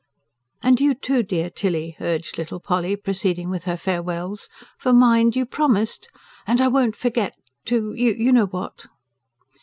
"And you, too, dear Tilly," urged little Polly, proceeding with her farewells. "For, mind, you promised. And I won't forget to ... you know what!"